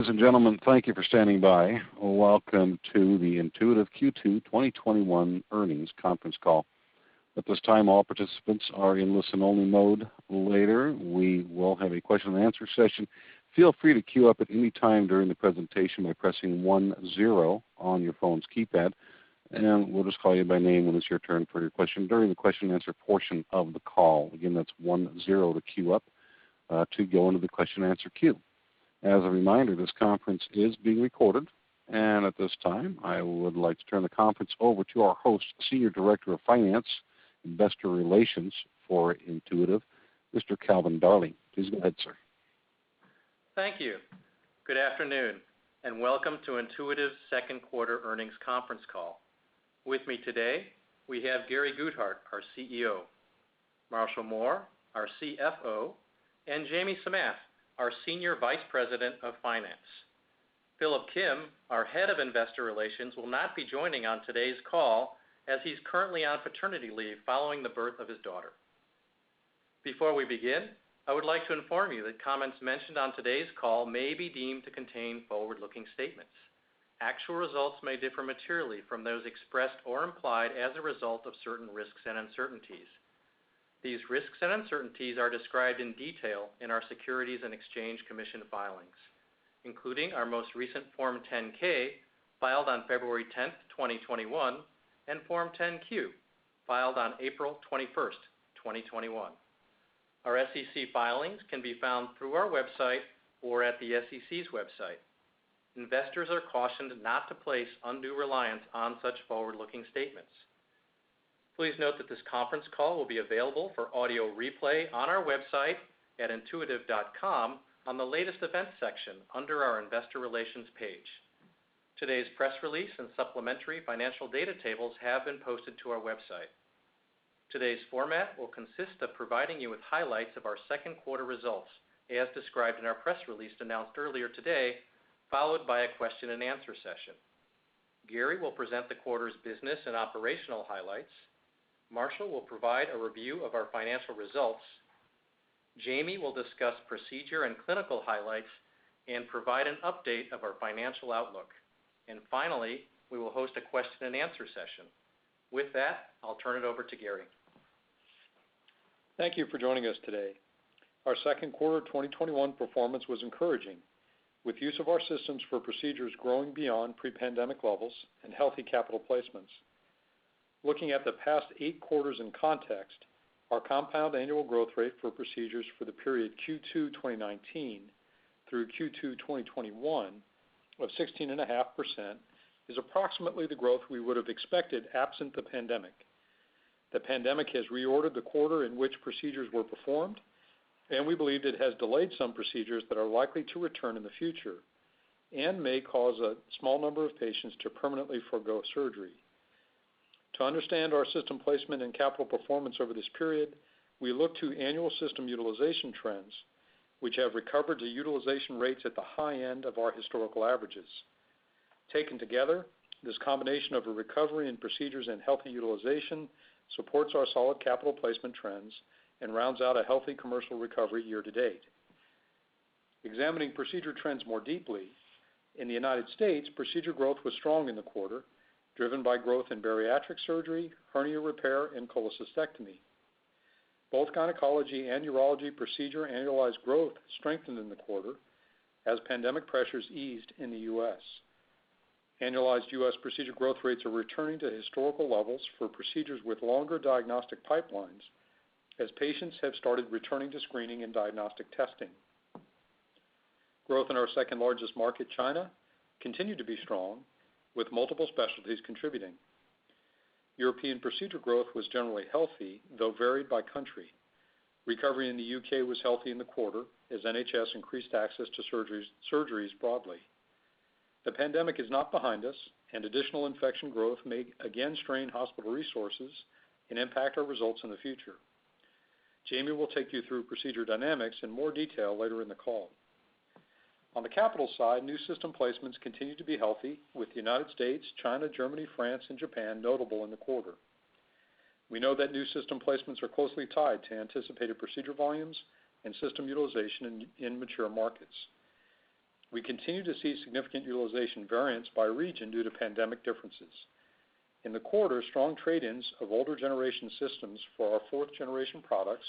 Ladies and gentlemen, thank you for standing by. Welcome to the Intuitive Q2 2021 earnings conference call. At this time, all participants are in listen only mode. Later, we will have a question and answer session. Feel free to queue up at any time during the presentation by pressing one zero on your phone's keypad. We'll just call you by name when it's your turn for your question during the question and answer portion of the call. Again, that's one zero to queue up to go into the question and answer queue. As a reminder, this conference is being recorded. At this time, I would like to turn the conference over to our host, Senior Director of Finance, Investor Relations for Intuitive, Mr. Calvin Darling. Please go ahead, sir. Thank you. Good afternoon, and welcome to Intuitive's second quarter earnings conference call. With me today, we have Gary Guthart, our CEO, Marshall Mohr, our CFO, and Jamie Samath, our Senior Vice President of Finance. Philip Kim, our Head of Investor Relations, will not be joining on today's call, as he's currently on paternity leave following the birth of his daughter. Before we begin, I would like to inform you that comments mentioned on today's call may be deemed to contain forward-looking statements. Actual results may differ materially from those expressed or implied as a result of certain risks and uncertainties. These risks and uncertainties are described in detail in our Securities and Exchange Commission filings, including our most recent Form 10-K filed on February 10th, 2021, and Form 10-Q, filed on April 21st, 2021. Our SEC filings can be found through our website or at the SEC's website. Investors are cautioned not to place undue reliance on such forward-looking statements. Please note that this conference call will be available for audio replay on our website at intuitive.com on the Latest Events section under our Investor Relations page. Today's press release and supplementary financial data tables have been posted to our website. Today's format will consist of providing you with highlights of our second quarter results, as described in our press release announced earlier today, followed by a question and answer session. Gary will present the quarter's business and operational highlights. Marshall will provide a review of our financial results. Jamie will discuss procedure and clinical highlights and provide an update of our financial outlook. Finally, we will host a question and answer session. With that, I'll turn it over to Gary. Thank you for joining us today. Our second quarter 2021 performance was encouraging, with use of our systems for procedures growing beyond pre-pandemic levels and healthy capital placements. Looking at the past eight quarters in context, our compound annual growth rate for procedures for the period Q2 2019 through Q2 2021 of 16.5% is approximately the growth we would have expected absent the pandemic. The pandemic has reordered the quarter in which procedures were performed, and we believe it has delayed some procedures that are likely to return in the future and may cause a small number of patients to permanently forego surgery. To understand our system placement and capital performance over this period, we look to annual system utilization trends, which have recovered to utilization rates at the high end of our historical averages. Taken together, this combination of a recovery in procedures and healthy utilization supports our solid capital placement trends and rounds out a healthy commercial recovery year to date. Examining procedure trends more deeply, in the United States, procedure growth was strong in the quarter, driven by growth in bariatric surgery, hernia repair, and cholecystectomy. Both gynecology and urology procedure annualized growth strengthened in the quarter as pandemic pressures eased in the U.S. Annualized U.S. procedure growth rates are returning to historical levels for procedures with longer diagnostic pipelines as patients have started returning to screening and diagnostic testing. Growth in our second largest market, China, continued to be strong, with multiple specialties contributing. European procedure growth was generally healthy, though varied by country. Recovery in the U.K. was healthy in the quarter as NHS increased access to surgeries broadly. The pandemic is not behind us, and additional infection growth may again strain hospital resources and impact our results in the future. Jamie will take you through procedure dynamics in more detail later in the call. On the capital side, new system placements continue to be healthy, with the U.S., China, Germany, France, and Japan notable in the quarter. We know that new system placements are closely tied to anticipated procedure volumes and system utilization in mature markets. We continue to see significant utilization variance by region due to pandemic differences. In the quarter, strong trade-ins of older-generation systems for our fourth-generation products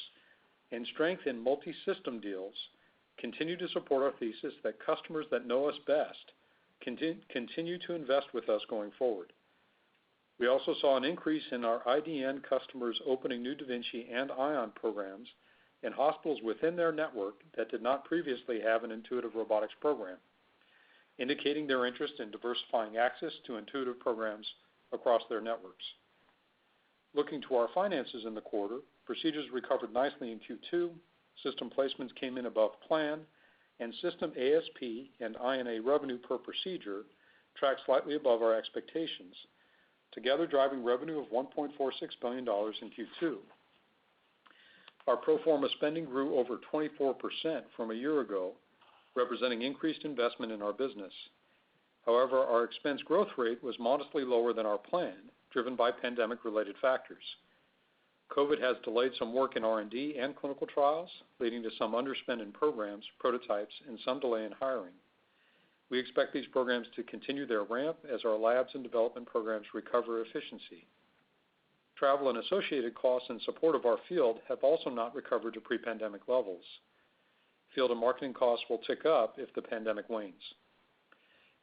and strength in multi-system deals continue to support our thesis that customers that know us best continue to invest with us going forward. We also saw an increase in our IDN customers opening new da Vinci and Ion programs in hospitals within their network that did not previously have an Intuitive Robotics program, indicating their interest in diversifying access to Intuitive programs across their networks. Looking to our finances in the quarter, procedures recovered nicely in Q2, system placements came in above plan, and system ASP and I&A revenue per procedure tracked slightly above our expectations, together driving revenue of $1.46 billion in Q2. Our pro forma spending grew over 24% from a year ago, representing increased investment in our business. However, our expense growth rate was modestly lower than our plan, driven by pandemic-related factors. COVID has delayed some work in R&D and clinical trials, leading to some underspend in programs, prototypes, and some delay in hiring. We expect these programs to continue their ramp as our labs and development programs recover efficiency. Travel and associated costs in support of our field have also not recovered to pre-pandemic levels. Field and marketing costs will tick up if the pandemic wanes.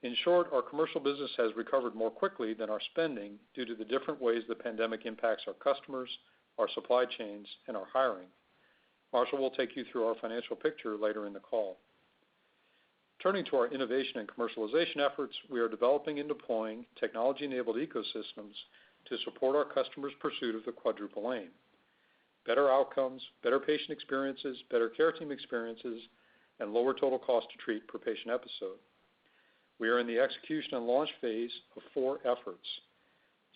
In short, our commercial business has recovered more quickly than our spending due to the different ways the pandemic impacts our customers, our supply chains, and our hiring. Marshall will take you through our financial picture later in the call. Turning to our innovation and commercialization efforts, we are developing and deploying technology-enabled ecosystems to support our customers' pursuit of the Quadruple Aim: better outcomes, better patient experiences, better care team experiences, and lower total cost to treat per patient episode. We are in the execution and launch phase of four efforts.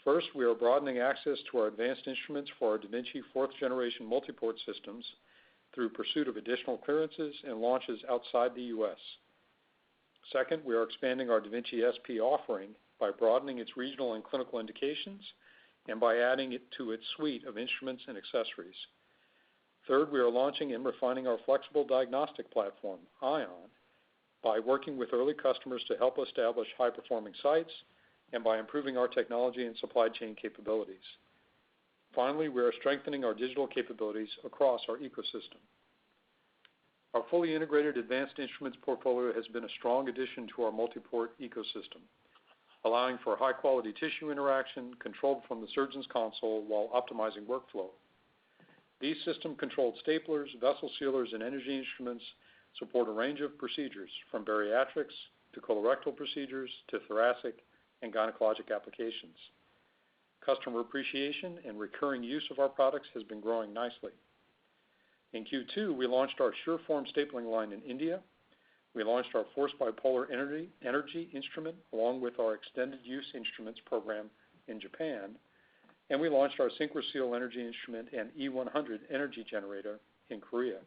First, we are broadening access to our advanced instruments for our da Vinci fourth generation multi-port systems through pursuit of additional clearances and launches outside the U.S. We are expanding our da Vinci SP offering by broadening its regional and clinical indications and by adding to its suite of instruments and accessories. We are launching and refining our flexible diagnostic platform, Ion, by working with early customers to help establish high-performing sites and by improving our technology and supply chain capabilities. We are strengthening our digital capabilities across our ecosystem. Our fully integrated advanced instruments portfolio has been a strong addition to our multi-port ecosystem, allowing for high-quality tissue interaction controlled from the surgeon's console while optimizing workflow. These system-controlled staplers, vessel sealers, and energy instruments support a range of procedures from bariatrics to colorectal procedures to thoracic and gynecologic applications. Customer appreciation and recurring use of our products has been growing nicely. In Q2, we launched our SureForm stapling line in India. We launched our Force Bipolar energy instrument along with our extended use instruments program in Japan, and we launched our SynchroSeal energy instrument and E-100 energy generator in Korea.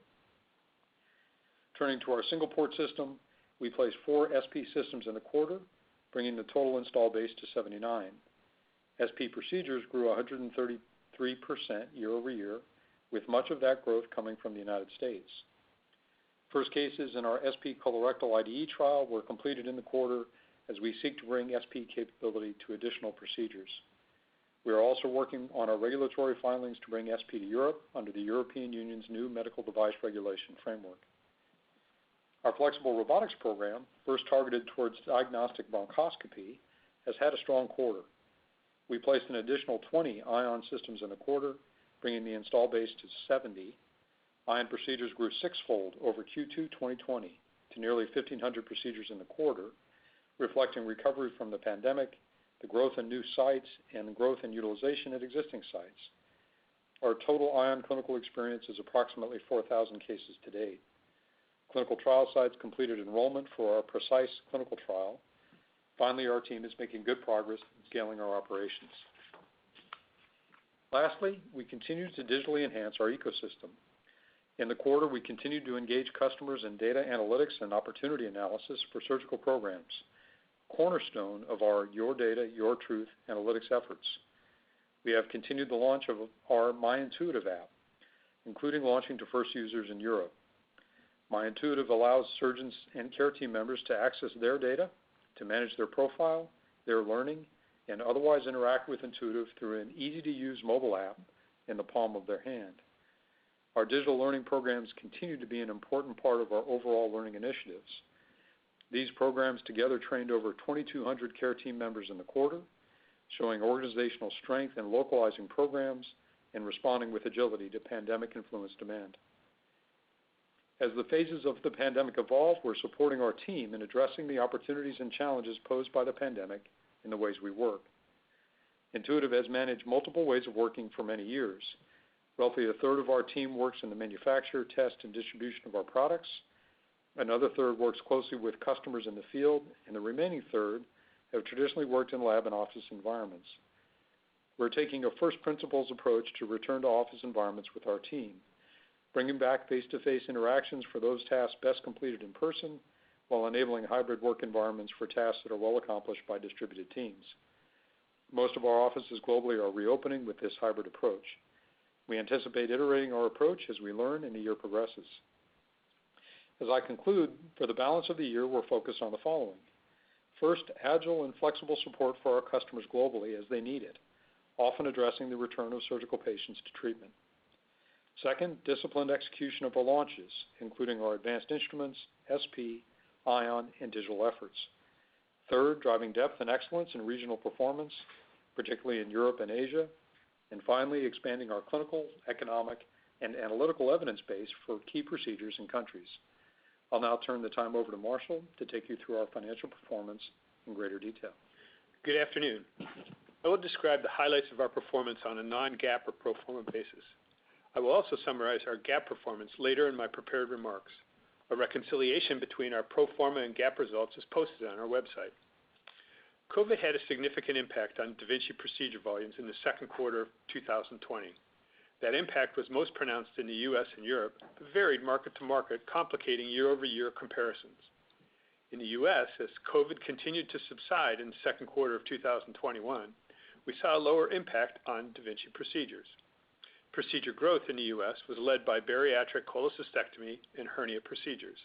Turning to our single-port system, we placed four SP systems in the quarter, bringing the total install base to 79. SP procedures grew 133% year-over-year, with much of that growth coming from the United States. First cases in our SP colorectal IDE trial were completed in the quarter as we seek to bring SP capability to additional procedures. We are also working on our regulatory filings to bring SP to Europe under the European Union's new medical device regulation framework. Our flexible robotics program, first targeted towards diagnostic bronchoscopy, has had a strong quarter. We placed an additional 20 Ion systems in the quarter, bringing the install base to 70. Ion procedures grew sixfold over Q2 2020 to nearly 1,500 procedures in the quarter, reflecting recovery from the pandemic, the growth in new sites, and growth in utilization at existing sites. Our total Ion clinical experience is approximately 4,000 cases to date. Clinical trial sites completed enrollment for our PRECIsE clinical trial. Finally, our team is making good progress in scaling our operations. Lastly, we continue to digitally enhance our ecosystem. In the quarter, we continued to engage customers in data analytics and opportunity analysis for surgical programs, cornerstone of our Your Data, Your Truth analytics efforts. We have continued the launch of our My Intuitive app, including launching to first users in Europe. My Intuitive allows surgeons and care team members to access their data, to manage their profile, their learning, and otherwise interact with Intuitive through an easy-to-use mobile app in the palm of their hand. Our digital learning programs continue to be an important part of our overall learning initiatives. These programs together trained over 2,200 care team members in the quarter, showing organizational strength in localizing programs and responding with agility to pandemic-influenced demand. As the phases of the pandemic evolve, we're supporting our team in addressing the opportunities and challenges posed by the pandemic in the ways we work. Intuitive has managed multiple ways of working for many years. Roughly a third of our team works in the manufacture, test, and distribution of our products. Another third works closely with customers in the field, and the remaining third have traditionally worked in lab and office environments. We're taking a first principles approach to return to office environments with our team, bringing back face-to-face interactions for those tasks best completed in person while enabling hybrid work environments for tasks that are well accomplished by distributed teams. Most of our offices globally are reopening with this hybrid approach. We anticipate iterating our approach as we learn and the year progresses. As I conclude, for the balance of the year, we're focused on the following. First, agile and flexible support for our customers globally as they need it, often addressing the return of surgical patients to treatment. Second, disciplined execution of our launches, including our advanced instruments, SP, Ion, and digital efforts. Third, driving depth and excellence in regional performance, particularly in Europe and Asia. Finally, expanding our clinical, economic, and analytical evidence base for key procedures and countries. I'll now turn the time over to Marshall to take you through our financial performance in greater detail. Good afternoon. I will describe the highlights of our performance on a non-GAAP or pro forma basis. I will also summarize our GAAP performance later in my prepared remarks. A reconciliation between our pro forma and GAAP results is posted on our website. COVID had a significant impact on da Vinci procedure volumes in the 2nd quarter of 2020. That impact was most pronounced in the U.S. and Europe, but varied market to market, complicating year-over-year comparisons. In the U.S., as COVID continued to subside in the 2nd quarter of 2021, we saw a lower impact on da Vinci procedures. Procedure growth in the U.S. was led by bariatric cholecystectomy and hernia procedures.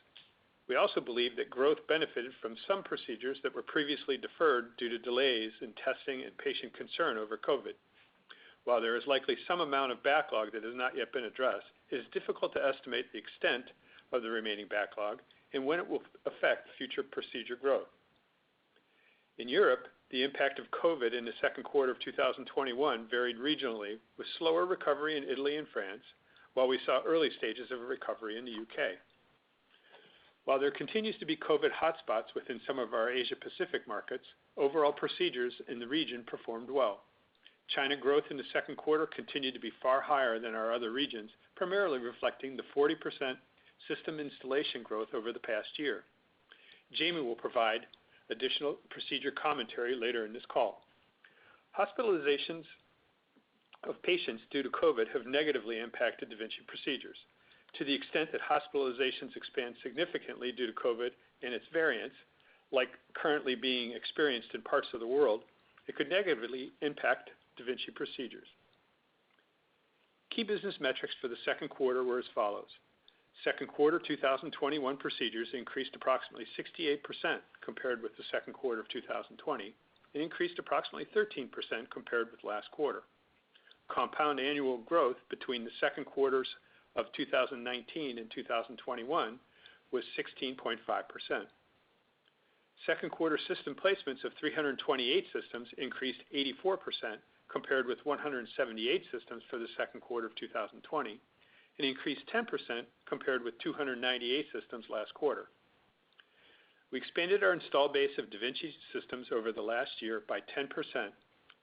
We also believe that growth benefited from some procedures that were previously deferred due to delays in testing and patient concern over COVID. While there is likely some amount of backlog that has not yet been addressed, it is difficult to estimate the extent of the remaining backlog and when it will affect future procedure growth. In Europe, the impact of COVID in the second quarter of 2021 varied regionally, with slower recovery in Italy and France, while we saw early stages of a recovery in the U.K. While there continues to be COVID hotspots within some of our Asia-Pacific markets, overall procedures in the region performed well. China growth in the second quarter continued to be far higher than our other regions, primarily reflecting the 40% system installation growth over the past year. Jamie will provide additional procedure commentary later in this call. Hospitalizations of patients due to COVID have negatively impacted da Vinci procedures. To the extent that hospitalizations expand significantly due to COVID-19 and its variants, like currently being experienced in parts of the world, it could negatively impact da Vinci procedures. Key business metrics for the second quarter were as follows. Second quarter 2021 procedures increased approximately 68% compared with the second quarter of 2020, and increased approximately 13% compared with last quarter. Compound annual growth between the second quarters of 2019 and 2021 was 16.5%. Second quarter system placements of 328 systems increased 84% compared with 178 systems for the second quarter of 2020, and increased 10% compared with 298 systems last quarter. We expanded our installed base of da Vinci systems over the last year by 10%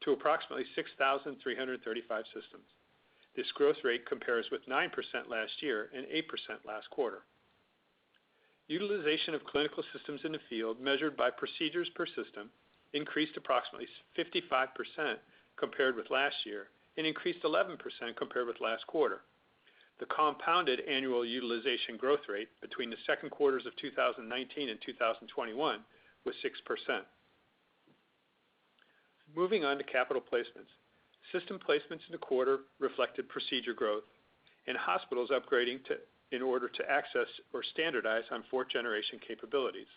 to approximately 6,335 systems. This growth rate compares with 9% last year and 8% last quarter. Utilization of clinical systems in the field, measured by procedures per system, increased approximately 55% compared with last year and increased 11% compared with last quarter. The compounded annual utilization growth rate between the second quarters of 2019 and 2021 was 6%. Moving on to capital placements. System placements in the quarter reflected procedure growth and hospitals upgrading in order to access or standardize on fourth-generation capabilities.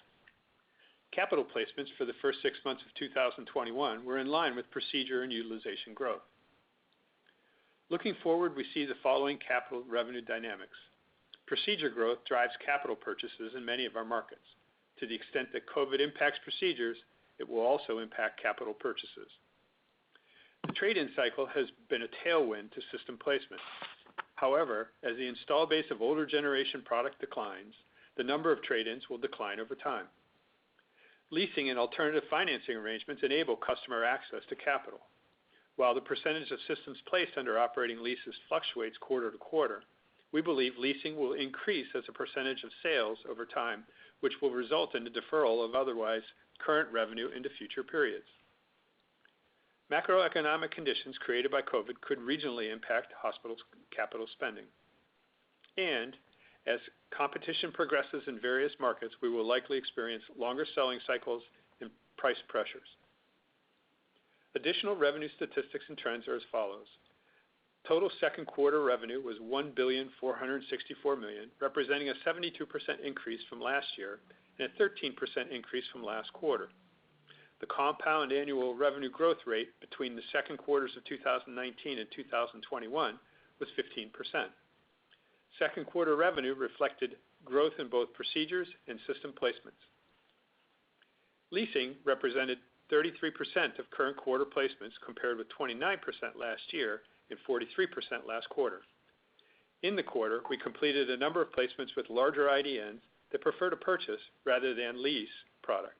Capital placements for the first six months of 2021 were in line with procedure and utilization growth. Looking forward, we see the following capital revenue dynamics. Procedure growth drives capital purchases in many of our markets. To the extent that COVID impacts procedures, it will also impact capital purchases. The trade-in cycle has been a tailwind to system placements. However, as the install base of older generation product declines, the number of trade-ins will decline over time. Leasing and alternative financing arrangements enable customer access to capital. While the percentage of systems placed under operating leases fluctuates quarter to quarter, we believe leasing will increase as a percentage of sales over time, which will result in the deferral of otherwise current revenue into future periods. Macroeconomic conditions created by COVID-19 could regionally impact hospitals' capital spending. As competition progresses in various markets, we will likely experience longer selling cycles and price pressures. Additional revenue statistics and trends are as follows. Total second quarter revenue was $1.464 billion, representing a 72% increase from last year and a 13% increase from last quarter. The compound annual revenue growth rate between the second quarters of 2019 and 2021 was 15%. Second quarter revenue reflected growth in both procedures and system placements. Leasing represented 33% of current quarter placements, compared with 29% last year and 43% last quarter. In the quarter, we completed a number of placements with larger IDNs that prefer to purchase rather than lease product.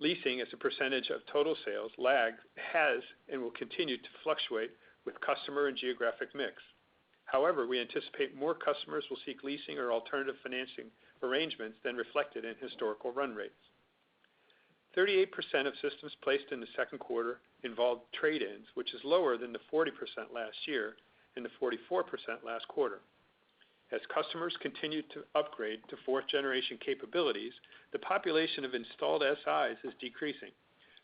Leasing as a percentage of total sales lags, has, and will continue to fluctuate with customer and geographic mix. However, we anticipate more customers will seek leasing or alternative financing arrangements than reflected in historical run rates. 38% of systems placed in the second quarter involved trade-ins, which is lower than the 40% last year and the 44% last quarter. As customers continue to upgrade to fourth-generation capabilities, the population of installed SIs is decreasing,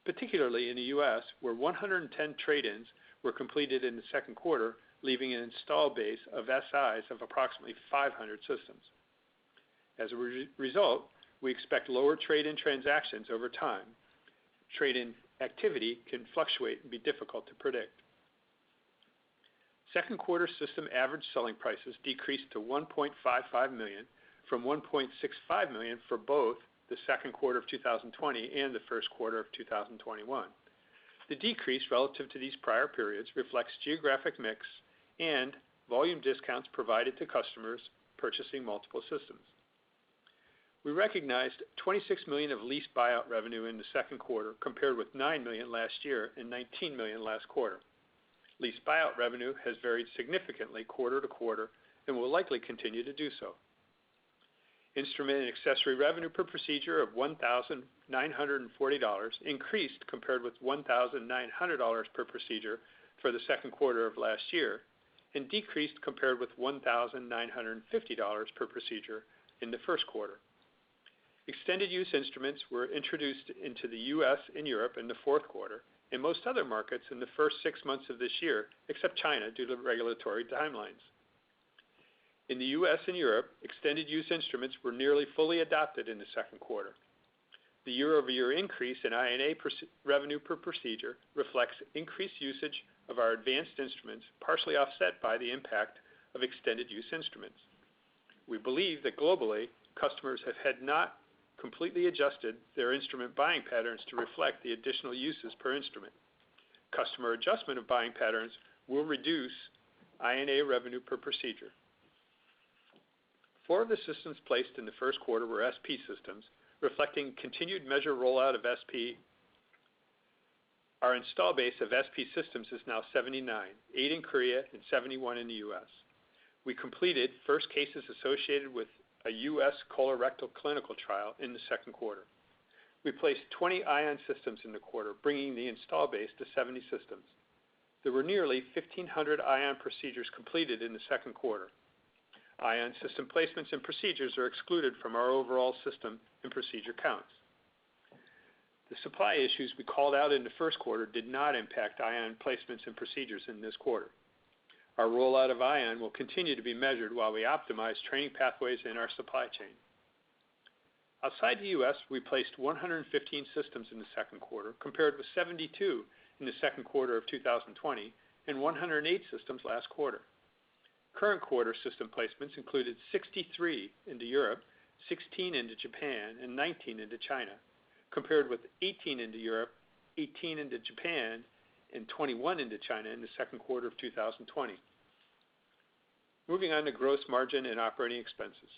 particularly in the U.S., where 110 trade-ins were completed in the second quarter, leaving an install base of SIs of approximately 500 systems. As a result, we expect lower trade-in transactions over time. Trade-in activity can fluctuate and be difficult to predict. Second quarter system average selling prices decreased to $1.55 million from $1.65 million for both the second quarter of 2020 and the first quarter of 2021. The decrease relative to these prior periods reflects geographic mix and volume discounts provided to customers purchasing multiple systems. We recognized $26 million of lease buyout revenue in the second quarter, compared with $9 million last year and $19 million last quarter. Lease buyout revenue has varied significantly quarter to quarter and will likely continue to do so. Instrument and accessory revenue per procedure of $1,940 increased compared with $1,900 per procedure for the second quarter of last year. Decreased compared with $1,950 per procedure in the first quarter. Extended use instruments were introduced into the U.S. and Europe in the fourth quarter, and most other markets in the first six months of this year, except China, due to regulatory timelines. In the U.S. and Europe, extended use instruments were nearly fully adopted in the second quarter. The year-over-year increase in INA revenue per procedure reflects increased usage of our advanced instruments, partially offset by the impact of extended use instruments. We believe that globally, customers have not completely adjusted their instrument buying patterns to reflect the additional uses per instrument. Customer adjustment of buying patterns will reduce INA revenue per procedure. Four of the systems placed in the first quarter were SP systems, reflecting continued measured rollout of SP. Our install base of SP systems is now 79, eight in Korea and 71 in the U.S. We completed first cases associated with a U.S. colorectal clinical trial in the second quarter. We placed 20 Ion systems in the quarter, bringing the install base to 70 systems. There were nearly 1,500 Ion procedures completed in the second quarter. ION system placements and procedures are excluded from our overall system and procedure counts. The supply issues we called out in the first quarter did not impact ION placements and procedures in this quarter. Our rollout of ION will continue to be measured while we optimize training pathways in our supply chain. Outside the U.S., we placed 115 systems in the second quarter, compared with 72 in the second quarter of 2020 and 108 systems last quarter. Current quarter system placements included 63 into Europe, 16 into Japan, and 19 into China, compared with 18 into Europe, 18 into Japan, and 21 into China in the second quarter of 2020. Moving on to gross margin and operating expenses.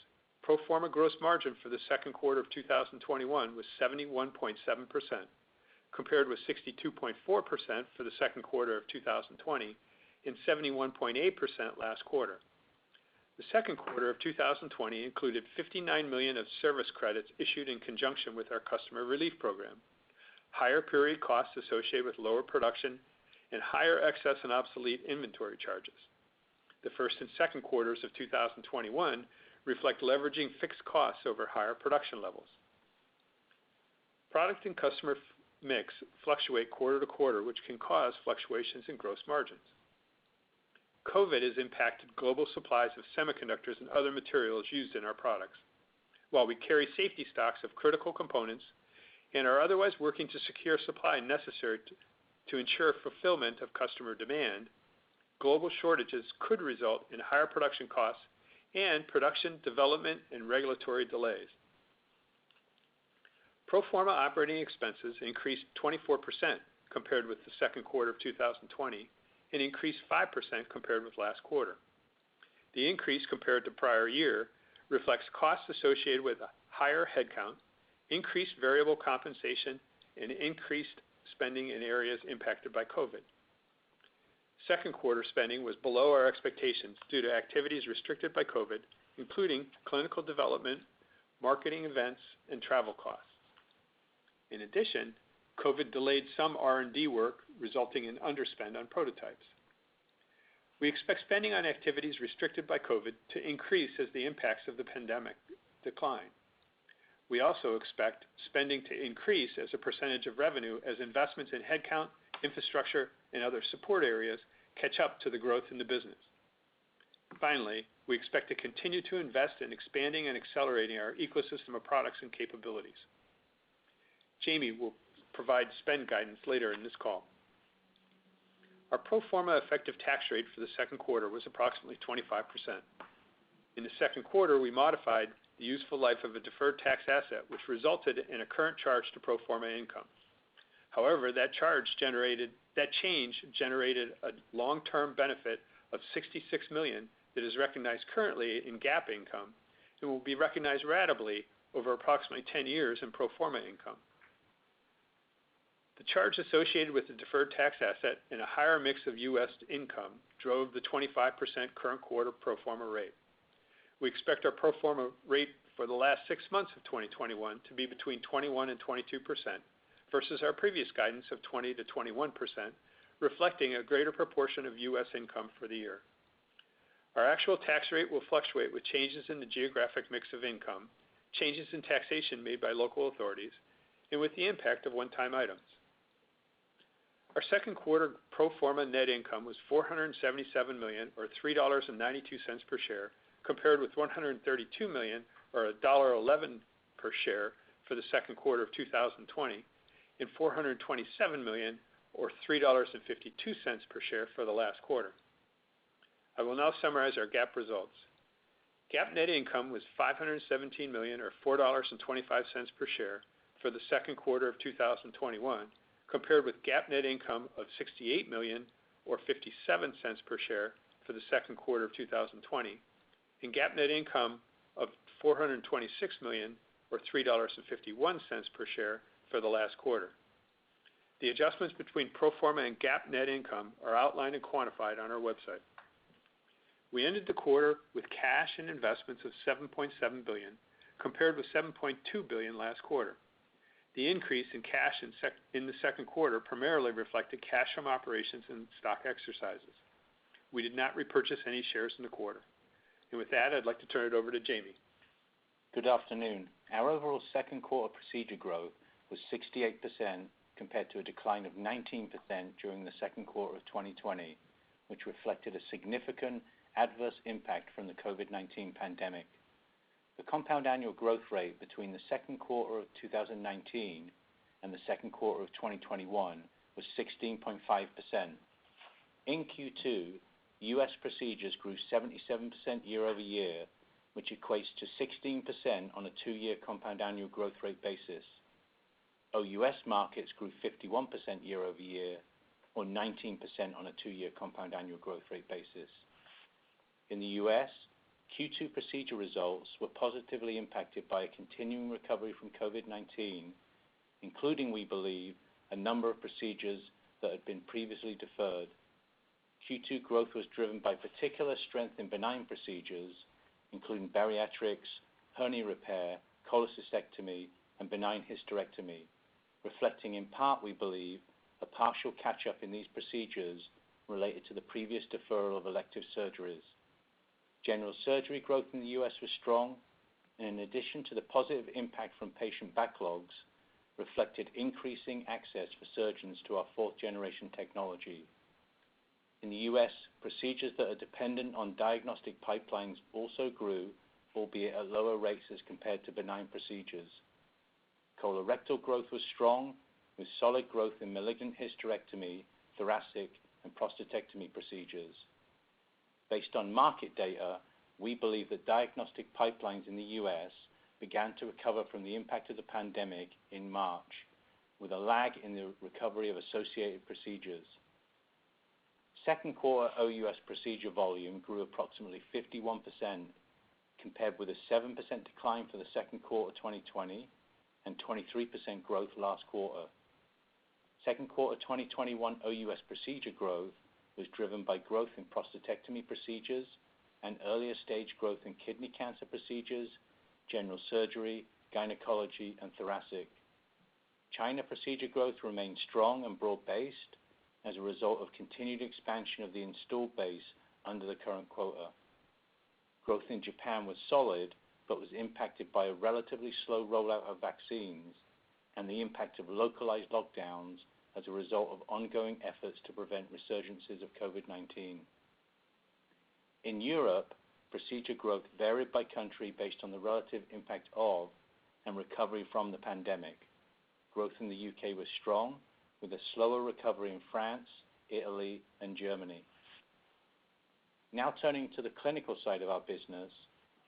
Pro forma gross margin for the second quarter of 2021 was 71.7%, compared with 62.4% for the second quarter of 2020 and 71.8% last quarter. The second quarter of 2020 included $59 million of service credits issued in conjunction with our customer relief program. Higher period costs associated with lower production and higher excess and obsolete inventory charges. The first and second quarters of 2021 reflect leveraging fixed costs over higher production levels. Product and customer mix fluctuate quarter-to-quarter, which can cause fluctuations in gross margins. COVID-19 has impacted global supplies of semiconductors and other materials used in our products. While we carry safety stocks of critical components and are otherwise working to secure supply necessary to ensure fulfillment of customer demand, global shortages could result in higher production costs and production development and regulatory delays. Pro forma operating expenses increased 24% compared with the second quarter of 2020 and increased 5% compared with last quarter. The increase compared to prior year reflects costs associated with a higher headcount, increased variable compensation, and increased spending in areas impacted by COVID. Second quarter spending was below our expectations due to activities restricted by COVID, including clinical development, marketing events, and travel costs. COVID delayed some R&D work, resulting in underspend on prototypes. We expect spending on activities restricted by COVID to increase as the impacts of the pandemic decline. We also expect spending to increase as a % of revenue as investments in headcount, infrastructure, and other support areas catch up to the growth in the business. Finally, we expect to continue to invest in expanding and accelerating our ecosystem of products and capabilities. Jamie will provide spend guidance later in this call. Our pro forma effective tax rate for the second quarter was approximately 25%. In the second quarter, we modified the useful life of a deferred tax asset, which resulted in a current charge to pro forma income. However, that change generated a long-term benefit of $66 million that is recognized currently in GAAP income and will be recognized ratably over approximately 10 years in pro forma income. The charge associated with the deferred tax asset and a higher mix of U.S. income drove the 25% current quarter pro forma rate. We expect our pro forma rate for the last six months of 2021 to be between 21%-22%, versus our previous guidance of 20%-21%, reflecting a greater proportion of U.S. income for the year. Our actual tax rate will fluctuate with changes in the geographic mix of income, changes in taxation made by local authorities, and with the impact of one-time items. Our second quarter pro forma net income was $477 million, or $3.92 per share, compared with $132 million, or $1.11 per share for the second quarter of 2020, and $427 million, or $3.52 per share for the last quarter. I will now summarize our GAAP results. GAAP net income was $517 million, or $4.25 per share for the second quarter of 2021, compared with GAAP net income of $68 million, or $0.57 per share for the second quarter of 2020, and GAAP net income of $426 million or $3.51 per share for the last quarter. The adjustments between pro forma and GAAP net income are outlined and quantified on our website. We ended the quarter with cash and investments of $7.7 billion, compared with $7.2 billion last quarter. The increase in cash in the second quarter primarily reflected cash from operations and stock exercises. We did not repurchase any shares in the quarter. With that, I'd like to turn it over to Jamie. Good afternoon. Our overall second quarter procedure growth was 68%, compared to a decline of 19% during the second quarter of 2020, which reflected a significant adverse impact from the COVID-19 pandemic. The compound annual growth rate between the second quarter of 2019 and the second quarter of 2021 was 16.5%. In Q2, U.S. procedures grew 77% year-over-year, which equates to 16% on a two-year compound annual growth rate basis. OUS markets grew 51% year-over-year or 19% on a two-year compound annual growth rate basis. In the U.S., Q2 procedure results were positively impacted by a continuing recovery from COVID-19, including, we believe, a number of procedures that had been previously deferred. Q2 growth was driven by particular strength in benign procedures, including bariatrics, hernia repair, cholecystectomy, and benign hysterectomy, reflecting in part, we believe, a partial catch-up in these procedures related to the previous deferral of elective surgeries. General surgery growth in the U.S. was strong, and in addition to the positive impact from patient backlogs, reflected increasing access for surgeons to our fourth generation technology. In the U.S., procedures that are dependent on diagnostic pipelines also grew, albeit at lower rates as compared to benign procedures. Colorectal growth was strong, with solid growth in malignant hysterectomy, thoracic, and prostatectomy procedures. Based on market data, we believe that diagnostic pipelines in the U.S. began to recover from the impact of the pandemic in March, with a lag in the recovery of associated procedures. Second quarter OUS procedure volume grew approximately 51%, compared with a 7% decline for the second quarter 2020, and 23% growth last quarter. Second quarter 2021 OUS procedure growth was driven by growth in prostatectomy procedures and earlier stage growth in kidney cancer procedures, general surgery, gynecology, and thoracic. China procedure growth remained strong and broad-based as a result of continued expansion of the installed base under the current quota. Growth in Japan was solid but was impacted by a relatively slow rollout of vaccines and the impact of localized lockdowns as a result of ongoing efforts to prevent resurgences of COVID-19. In Europe, procedure growth varied by country based on the relative impact of and recovery from the pandemic. Growth in the U.K. was strong, with a slower recovery in France, Italy, and Germany. Turning to the clinical side of our business.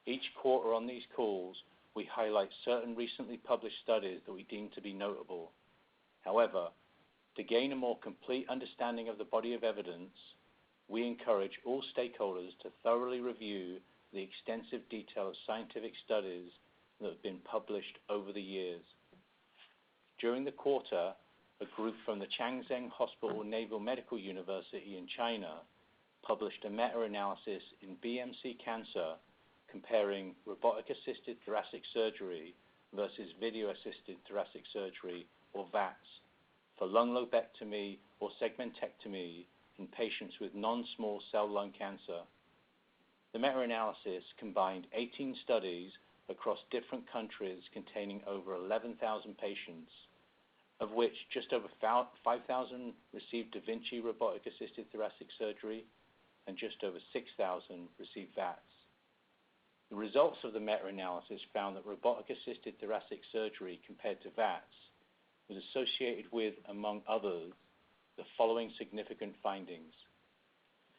Each quarter on these calls, we highlight certain recently published studies that we deem to be notable. However, to gain a more complete understanding of the body of evidence, we encourage all stakeholders to thoroughly review the extensive detailed scientific studies that have been published over the years. During the quarter, a group from the Changzheng Hospital Naval Medical University in China published a meta-analysis in "BMC Cancer" comparing robotic-assisted thoracic surgery versus video-assisted thoracic surgery, or VATS, for lung lobectomy or segmentectomy in patients with non-small cell lung cancer. The meta-analysis combined 18 studies across different countries containing over 11,000 patients, of which just over 5,000 received da Vinci robotic-assisted thoracic surgery and just over 6,000 received VATS. The results of the meta-analysis found that robotic-assisted thoracic surgery compared to VATS was associated with, among others, the following significant findings: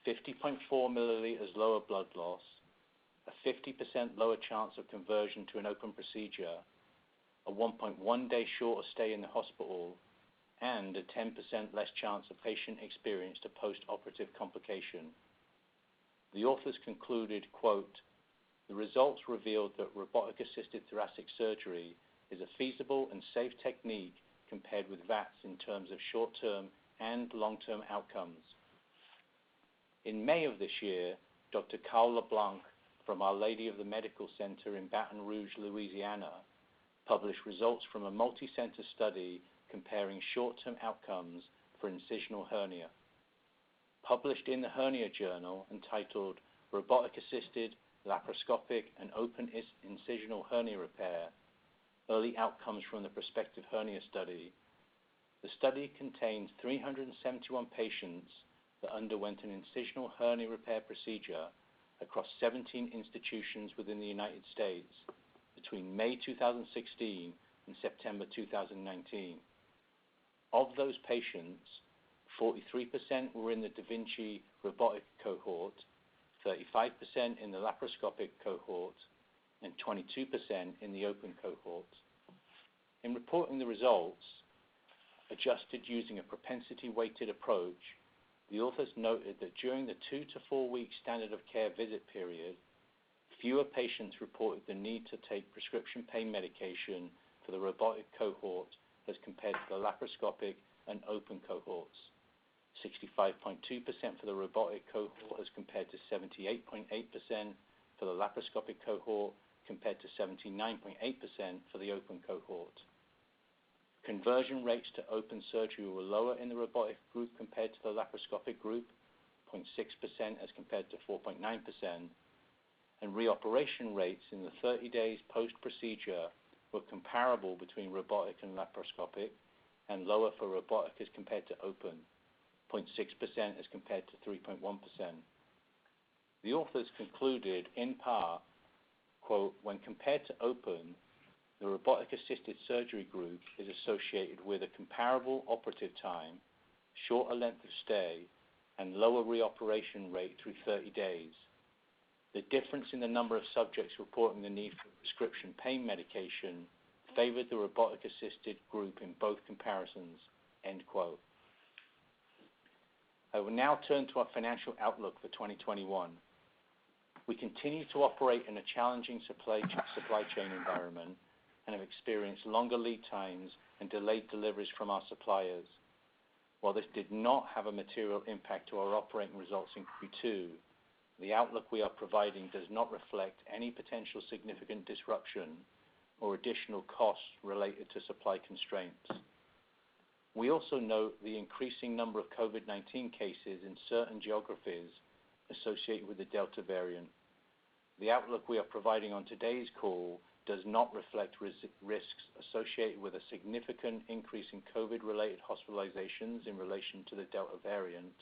50.4 milliliters lower blood loss, a 50% lower chance of conversion to an open procedure, a 1.1-day shorter stay in the hospital, and a 10% less chance a patient experienced a postoperative complication. The authors concluded, quote, "The results revealed that robotic-assisted thoracic surgery is a feasible and safe technique compared with VATS in terms of short-term and long-term outcomes." In May of this year, Dr. Karl LeBlanc from Our Lady of the Lake Regional Medical Center in Baton Rouge, Louisiana, published results from a multicenter study comparing short-term outcomes for incisional hernia. Published in "The Hernia Journal" entitled "Robotic-Assisted, Laparoscopic, and Open Incisional Hernia Repair: Early Outcomes from the Prospective Hernia Study." The study contains 371 patients that underwent an incisional hernia repair procedure across 17 institutions within the United States between May 2016 and September 2019. Of those patients, 43% were in the da Vinci robotic cohort, 35% in the laparoscopic cohort, and 22% in the open cohort. In reporting the results, adjusted using a propensity-weighted approach, the authors noted that during the two to four-week standard of care visit period, fewer patients reported the need to take prescription pain medication for the robotic cohort as compared to the laparoscopic and open cohorts. 65.2% for the robotic cohort as compared to 78.8% for the laparoscopic cohort, compared to 79.8% for the open cohort. Conversion rates to open surgery were lower in the robotic group compared to the laparoscopic group, 0.6% as compared to 4.9%. Reoperation rates in the 30 days post-procedure were comparable between robotic and laparoscopic, and lower for robotic as compared to open, 0.6% as compared to 3.1%. The authors concluded in part, quote, "When compared to open, the robotic-assisted surgery group is associated with a comparable operative time, shorter length of stay, and lower reoperation rate through 30 days. The difference in the number of subjects reporting the need for prescription pain medication favored the robotic-assisted group in both comparisons. End quote. I will now turn to our financial outlook for 2021. We continue to operate in a challenging supply chain environment and have experienced longer lead times and delayed deliveries from our suppliers. While this did not have a material impact to our operating results in Q2, the outlook we are providing does not reflect any potential significant disruption or additional costs related to supply constraints. We also note the increasing number of COVID-19 cases in certain geographies associated with the Delta variant. The outlook we are providing on today's call does not reflect risks associated with a significant increase in COVID-related hospitalizations in relation to the Delta variant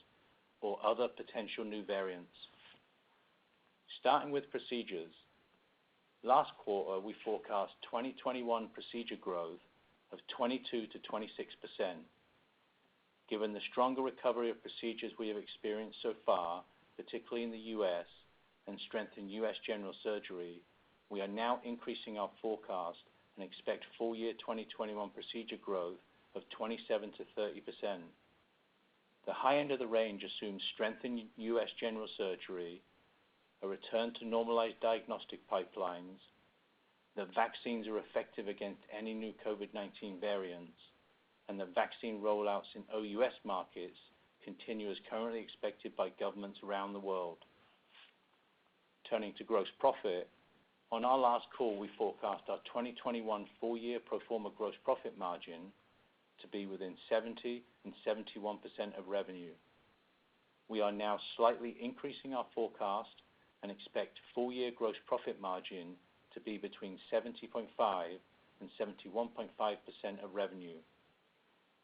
or other potential new variants. Starting with procedures. Last quarter, we forecast 2021 procedure growth of 22%-26%. Given the stronger recovery of procedures we have experienced so far, particularly in the U.S., and strength in U.S. general surgery, we are now increasing our forecast and expect full year 2021 procedure growth of 27%-30%. The high end of the range assumes strength in U.S. general surgery, a return to normalized diagnostic pipelines, that vaccines are effective against any new COVID-19 variants, and that vaccine roll-outs in OUS markets continue as currently expected by governments around the world. Turning to gross profit. On our last call, we forecast our 2021 full-year pro forma gross profit margin to be within 70% and 71% of revenue. We are now slightly increasing our forecast and expect full-year gross profit margin to be between 70.5% and 71.5% of revenue.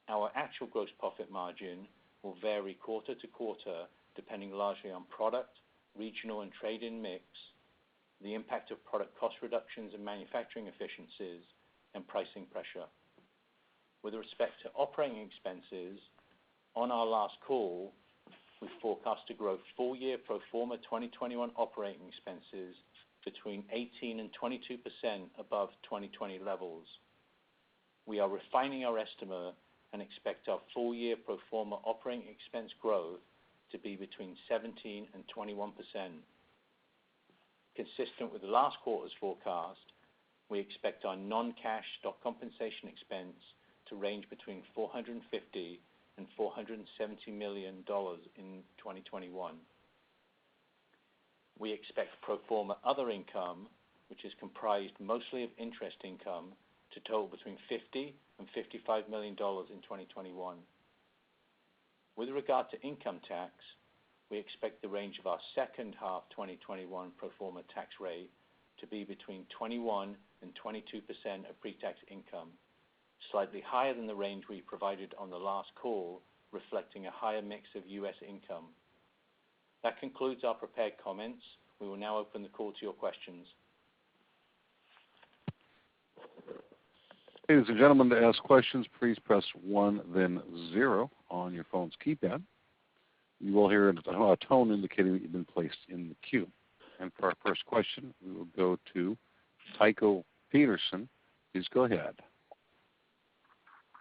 Our actual gross profit margin will vary quarter to quarter, depending largely on product, regional and trade-in mix, the impact of product cost reductions and manufacturing efficiencies, and pricing pressure. With respect to operating expenses, on our last call, we forecast to grow full-year pro forma 2021 operating expenses between 18% and 22% above 2020 levels. We are refining our estimate and expect our full-year pro forma operating expense growth to be between 17% and 21%. Consistent with last quarter's forecast, we expect our non-cash stock compensation expense to range between $450 million and $470 million in 2021. We expect pro forma other income, which is comprised mostly of interest income, to total between $50 million and $55 million in 2021. With regard to income tax, we expect the range of our second half 2021 pro forma tax rate to be between 21% and 22% of pre-tax income, slightly higher than the range we provided on the last call, reflecting a higher mix of U.S. income. That concludes our prepared comments. We will now open the call to your questions. Ladies and gentlemen to ask questions, please press one, then zero on your phone's keypad. You will hear a tone indicating you can take your place in the queue. For our first question, we will go to Tycho Peterson. Please go ahead.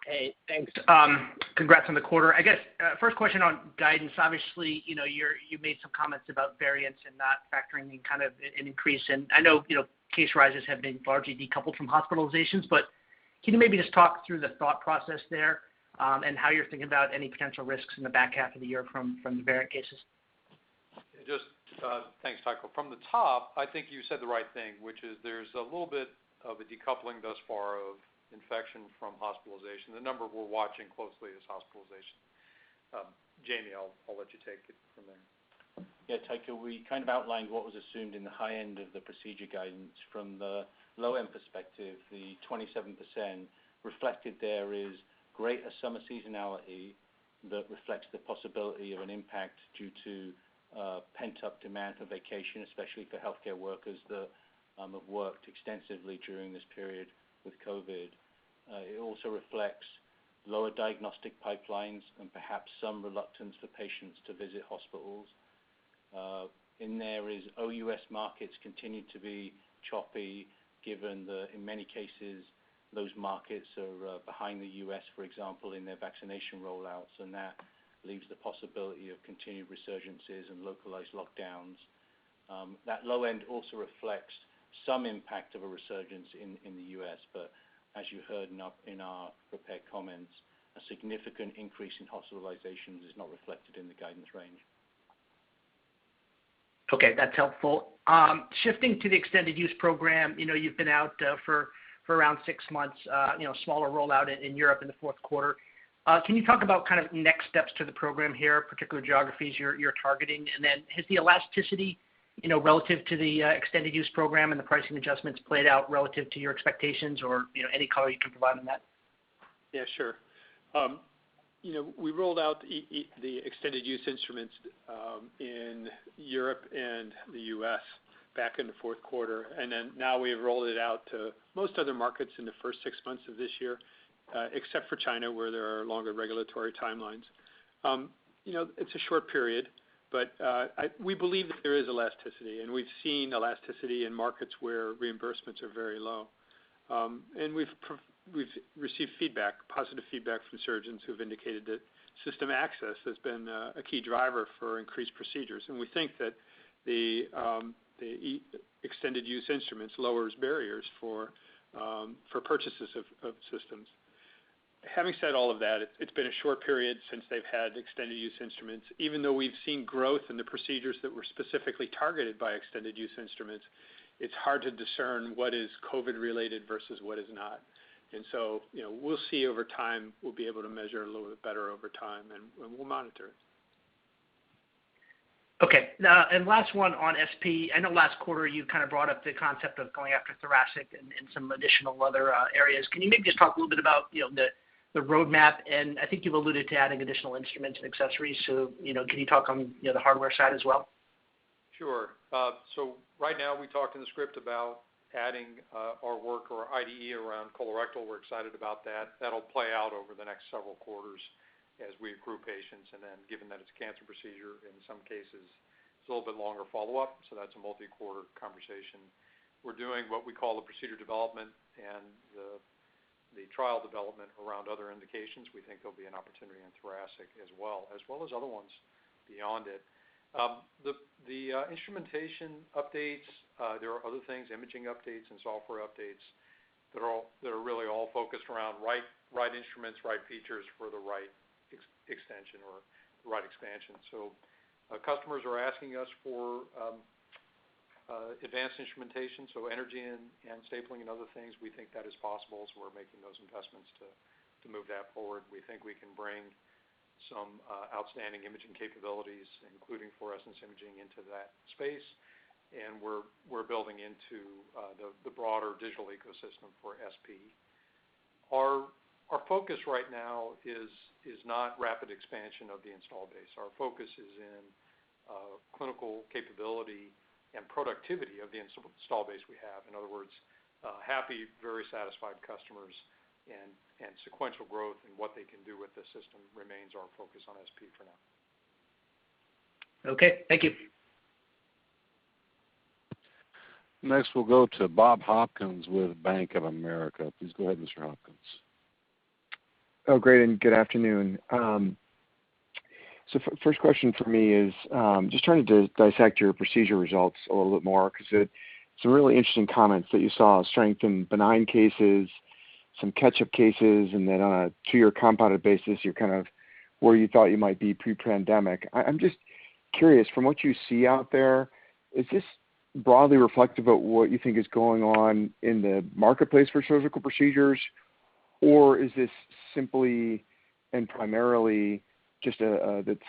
Hey, thanks. Congrats on the quarter. I guess, first question on guidance. Obviously, you made some comments about variants and not factoring in an increase in. I know case rises have been largely decoupled from hospitalizations, but can you maybe just talk through the thought process there? How you're thinking about any potential risks in the back half of the year from the variant cases? Thanks, Tycho. From the top, I think you said the right thing, which is there is a little bit of a decoupling thus far of infection from hospitalization. The number we are watching closely is hospitalization. Jamie, I will let you take it from there. Tycho, we kind of outlined what was assumed in the high end of the procedure guidance. From the low-end perspective, the 27% reflected there is greater summer seasonality that reflects the possibility of an impact due to pent-up demand for vacation, especially for healthcare workers that have worked extensively during this period with COVID-19. It also reflects lower diagnostic pipelines and perhaps some reluctance for patients to visit hospitals. In there is OUS markets continue to be choppy given that in many cases, those markets are behind the U.S., for example, in their vaccination roll-outs, and that leaves the possibility of continued resurgences and localized lockdowns. That low end also reflects some impact of a resurgence in the U.S. As you heard in our prepared comments, a significant increase in hospitalizations is not reflected in the guidance range. Okay, that's helpful. Shifting to the extended use program. You've been out for around six months, smaller rollout in Europe in the 4th quarter. Can you talk about next steps to the program here, particular geographies you're targeting? Has the elasticity, relative to the extended use program and the pricing adjustments played out relative to your expectations, or any color you can provide on that? Yeah, sure. We rolled out the extended use instruments in Europe and the U.S. back in the fourth quarter. Now we have rolled it out to most other markets in the first six months of this year, except for China, where there are longer regulatory timelines. It's a short period. We believe that there is elasticity. We've seen elasticity in markets where reimbursements are very low. We've received positive feedback from surgeons who've indicated that system access has been a key driver for increased procedures. We think that the extended use instruments lowers barriers for purchases of systems. Having said all of that, it's been a short period since they've had extended use instruments. Even though we've seen growth in the procedures that were specifically targeted by extended use instruments, it's hard to discern what is COVID-19 related versus what is not. We'll see over time. We'll be able to measure a little bit better over time, and we'll monitor it. Okay. Last one on SP. I know last quarter you brought up the concept of going after thoracic and some additional other areas. Can you maybe just talk a little bit about the road map? I think you've alluded to adding additional instruments and accessories. Can you talk on the hardware side as well? Sure. Right now we talk in the script about adding our work or IDE around colorectal. We're excited about that. That'll play out over the next several quarters as we accrue patients. Given that it's a cancer procedure, in some cases, it's a little bit longer follow-up, so that's a multi-quarter conversation. We're doing what we call the procedure development and the trial development around other indications. We think there'll be an opportunity in thoracic as well, as well as other ones beyond it. The instrumentation updates, there are other things, imaging updates and software updates that are really all focused around right instruments, right features for the right extension or the right expansion. Customers are asking us for advanced instrumentation, so energy and stapling and other things, we think that is possible. We're making those investments to move that forward. We think we can bring some outstanding imaging capabilities, including fluorescence imaging, into that space. We're building into the broader digital ecosystem for SP. Our focus right now is not rapid expansion of the install base. Our focus is in clinical capability and productivity of the install base we have. In other words, happy, very satisfied customers and sequential growth and what they can do with the system remains our focus on SP for now. Okay. Thank you. Next, we'll go to Bob Hopkins with Bank of America. Please go ahead, Mr. Hopkins. Great, good afternoon. First question for me is, just trying to dissect your procedure results a little bit more because some really interesting comments that you saw strength in benign cases, some catch-up cases, and then on a two-year compounded basis, you're kind of where you thought you might be pre-pandemic. I'm just curious, from what you see out there, is this broadly reflective of what you think is going on in the marketplace for surgical procedures, or is this simply and primarily just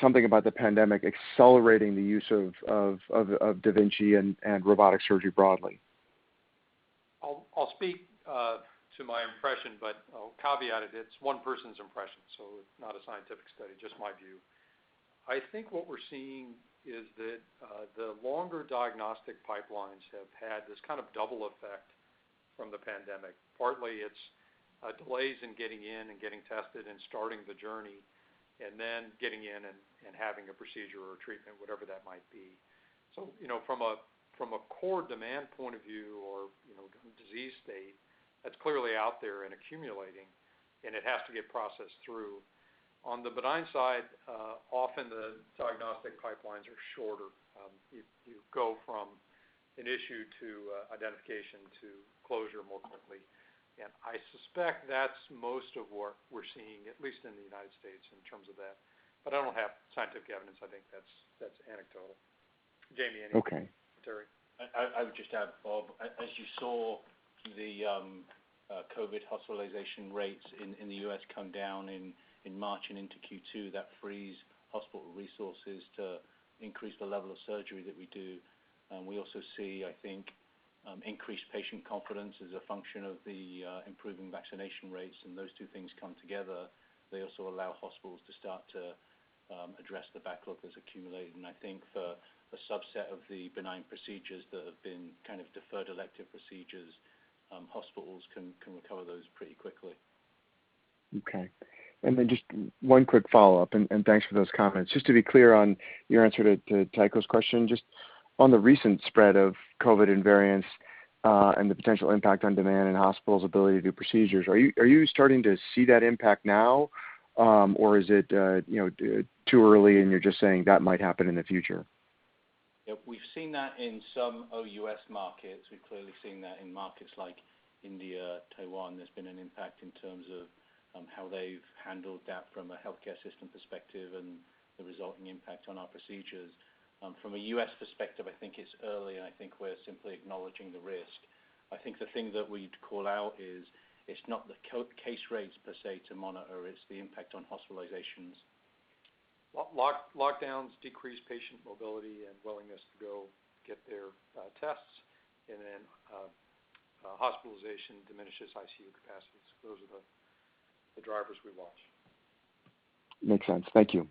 something about the pandemic accelerating the use of da Vinci and robotic surgery broadly? I'll speak to my impression, but I'll caveat it's one person's impression, so it's not a scientific study, just my view. I think what we're seeing is that the longer diagnostic pipelines have had this kind of double effect from the pandemic. Partly it's delays in getting in and getting tested and starting the journey, and then getting in and having a procedure or treatment, whatever that might be. From a core demand point of view or disease state, that's clearly out there and accumulating, and it has to get processed through. On the benign side, often the diagnostic pipelines are shorter. You go from an issue to identification to closure more quickly. I suspect that's most of what we're seeing, at least in the United States in terms of that. I don't have scientific evidence. I think that's anecdotal. Jamie, anything? Okay. Gary? I would just add, Bob, as you saw the COVID hospitalization rates in the U.S. come down in March and into Q2, that frees hospital resources to increase the level of surgery that we do. We also see, I think, increased patient confidence as a function of the improving vaccination rates, and those two things come together. They also allow hospitals to start to address the backlog that's accumulated. I think for a subset of the benign procedures that have been kind of deferred elective procedures, hospitals can recover those pretty quickly. Okay. Just one quick follow-up, and thanks for those comments. Just to be clear on your answer to Tycho's question, just on the recent spread of COVID and variants and the potential impact on demand and hospitals' ability to do procedures. Are you starting to see that impact now? Or is it too early and you're just saying that might happen in the future? Yeah, we've seen that in some OUS markets. We've clearly seen that in markets like India, Taiwan. There's been an impact in terms of how they've handled that from a healthcare system perspective and the resulting impact on our procedures. From a U.S. perspective, I think it's early, and I think we're simply acknowledging the risk. I think the thing that we'd call out is it's not the case rates per se to monitor, it's the impact on hospitalizations. Lockdowns decrease patient mobility and willingness to go get their tests, and then hospitalization diminishes ICU capacity. Those are the drivers we watch. Makes sense. Thank you.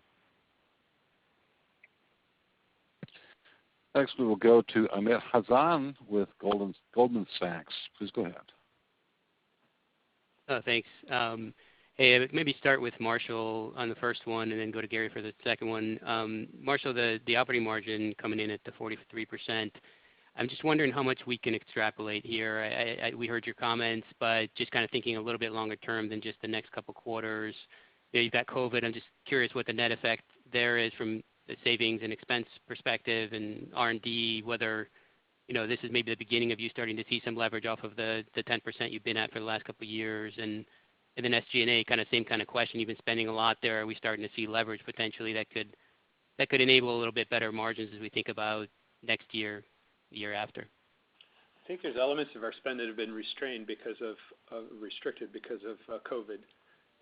Next, we will go to Amit Hazan with Goldman Sachs. Please go ahead. Thanks. Hey, maybe start with Marshall on the first one and then go to Gary for the second one. Marshall, the operating margin coming in at the 43%. I'm just wondering how much we can extrapolate here. We heard your comments, just kind of thinking a little bit longer term than just the next couple of quarters. You've got COVID, I'm just curious what the net effect there is from the savings and expense perspective and R&D, whether this is maybe the beginning of you starting to see some leverage off of the 10% you've been at for the last couple of years. SG&A, same kind of question. You've been spending a lot there. Are we starting to see leverage potentially that could enable a little bit better margins as we think about next year, the year after? I think there's elements of our spend that have been restricted because of COVID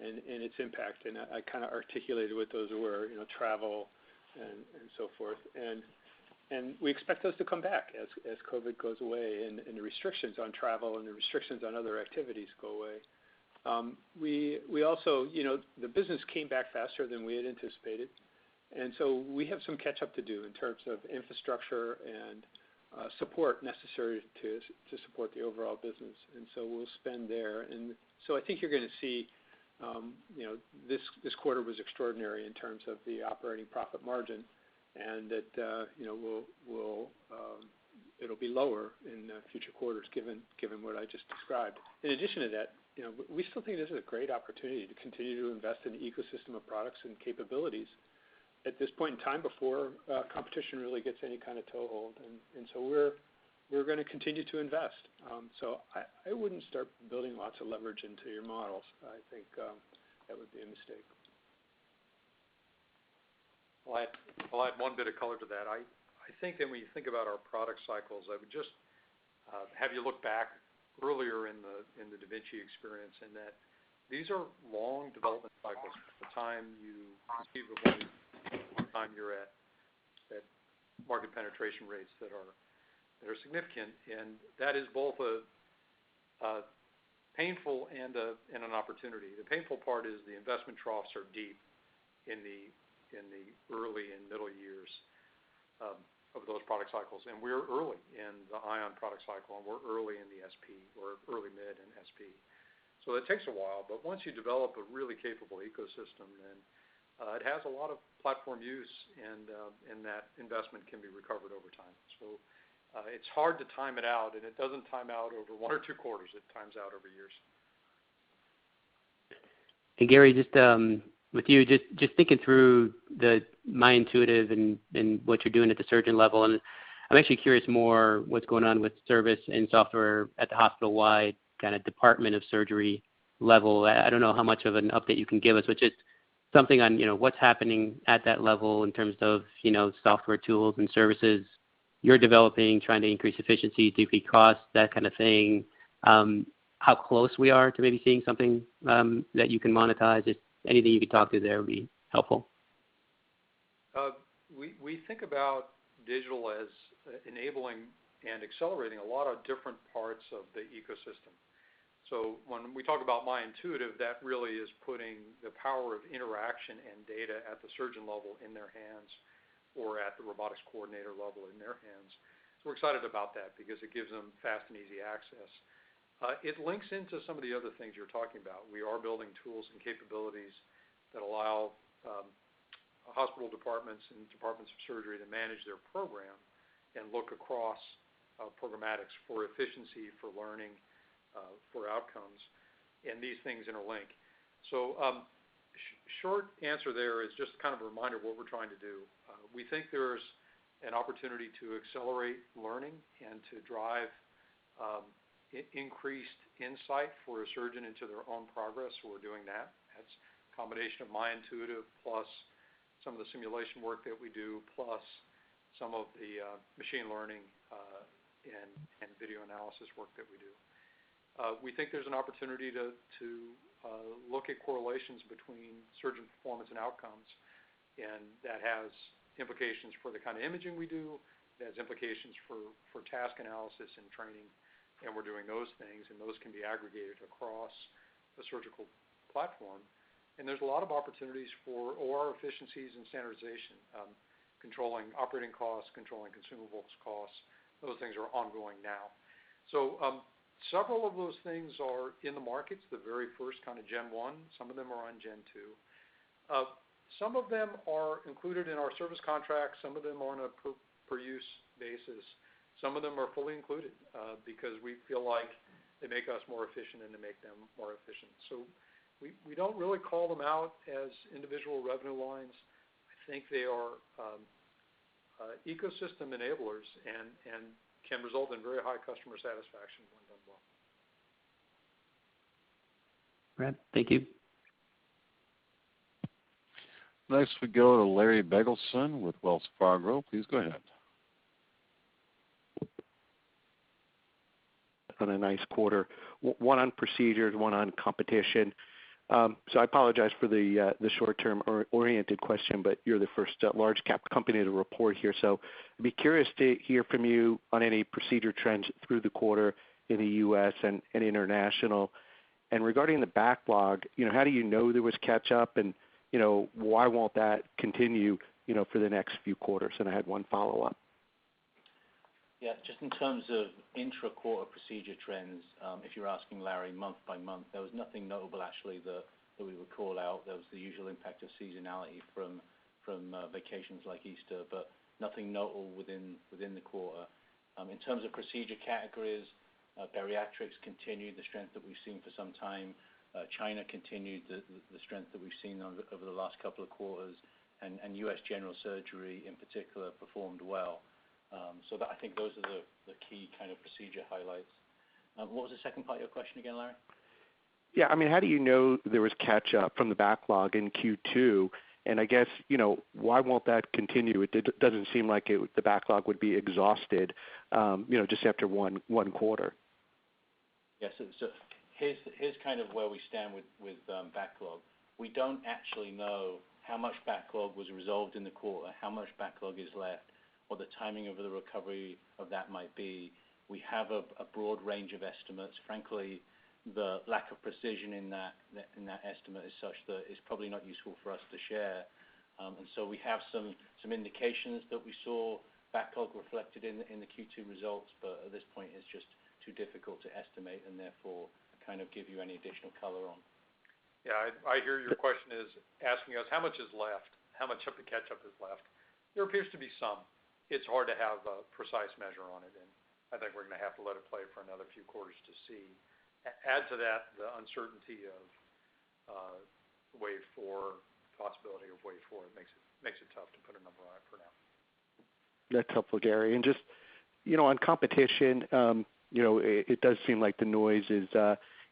and its impact, and I kind of articulated what those were, travel and so forth. We expect those to come back as COVID goes away and the restrictions on travel and the restrictions on other activities go away. The business came back faster than we had anticipated, and so we have some catch up to do in terms of infrastructure and support necessary to support the overall business, and so we'll spend there. I think you're going to see this quarter was extraordinary in terms of the operating profit margin, and that it'll be lower in future quarters given what I just described. In addition to that, we still think this is a great opportunity to continue to invest in the ecosystem of products and capabilities at this point in time before competition really gets any kind of toehold, we're going to continue to invest. I wouldn't start building lots of leverage into your models. I think that would be a mistake. I'll add one bit of color to that. I think that when you think about our product cycles, I would just have you look back earlier in the da Vinci experience in that these are long development cycles from the time you conceive of them to the time you're at market penetration rates that are significant, and that is both painful and an opportunity. The painful part is the investment troughs are deep in the early and middle years of those product cycles, and we're early in the Ion product cycle, and we're early, mid in SP. It takes a while, but once you develop a really capable ecosystem, then it has a lot of platform use, and that investment can be recovered over time. It's hard to time it out, and it doesn't time out over one or two quarters. It times out over years. Gary, with you, just thinking through My Intuitive and what you're doing at the surgeon level, and I'm actually curious more what's going on with service and software at the hospital-wide kind of department of surgery level. I don't know how much of an update you can give us, but just something on what's happening at that level in terms of software tools and services you're developing, trying to increase efficiency, decrease cost, that kind of thing, how close we are to maybe seeing something that you can monetize. Just anything you could talk to there would be helpful. We think about digital as enabling and accelerating a lot of different parts of the ecosystem. When we talk about My Intuitive, that really is putting the power of interaction and data at the surgeon level in their hands or at the robotics coordinator level in their hands. We're excited about that because it gives them fast and easy access. It links into some of the other things you're talking about. We are building tools and capabilities that allow hospital departments and departments of surgery to manage their program and look across programmatics for efficiency, for learning, for outcomes, and these things interlink. Short answer there is just kind of a reminder of what we're trying to do. We think there's an opportunity to accelerate learning and to drive increased insight for a surgeon into their own progress. We're doing that. That's a combination of My Intuitive plus some of the simulation work that we do, plus some of the machine learning and video analysis work that we do. We think there's an opportunity to look at correlations between surgeon performance and outcomes, that has implications for the kind of imaging we do, that has implications for task analysis and training, and we're doing those things, and those can be aggregated across a surgical platform. There's a lot of opportunities for OR efficiencies and standardization, controlling operating costs, controlling consumables costs. Those things are ongoing now. Several of those things are in the markets, the very first kind of gen one. Some of them are on gen two. Some of them are included in our service contracts. Some of them are on a per-use basis. Some of them are fully included because we feel like they make us more efficient, and they make them more efficient. We don't really call them out as individual revenue lines. I think they are ecosystem enablers and can result in very high customer satisfaction when done well. Gary, thank you. Next we go to Larry Biegelsen with Wells Fargo. Please go ahead. On a nice quarter. One on procedures, one on competition. I apologize for the short-term oriented question, but you're the first large-cap company to report here, so I'd be curious to hear from you on any procedure trends through the quarter in the U.S. and international. Regarding the backlog, how do you know there was catch-up and why won't that continue for the next few quarters? I had one follow-up. Just in terms of intra-quarter procedure trends, if you're asking, Larry, month by month, there was nothing notable actually that we would call out. There was the usual impact of seasonality from vacations like Easter, nothing notable within the quarter. In terms of procedure categories, bariatrics continued the strength that we've seen for some time. China continued the strength that we've seen over the last couple of quarters. U.S. general surgery in particular performed well. I think those are the key kind of procedure highlights. What was the second part of your question again, Larry? Yeah, how do you know there was catch-up from the backlog in Q2? I guess, why won't that continue? It doesn't seem like the backlog would be exhausted just after one quarter. Yes. Here's where we stand with backlog. We don't actually know how much backlog was resolved in the quarter, how much backlog is left, or the timing of the recovery of that might be. We have a broad range of estimates. Frankly, the lack of precision in that estimate is such that it's probably not useful for us to share. We have some indications that we saw backlog reflected in the Q2 results, but at this point, it's just too difficult to estimate and therefore kind of give you any additional color on. Yeah, I hear your question is asking us how much is left, how much of the catch-up is left. There appears to be some. It's hard to have a precise measure on it, and I think we're going to have to let it play for another few quarters to see. Add to that the uncertainty of Wave four, possibility of Wave four, it makes it tough to put a number on it for now. That's helpful, Gary. Just on competition, it does seem like the noise is